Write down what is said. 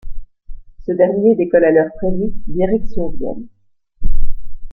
Ce dernier décolle à l'heure prévue, direction Vienne.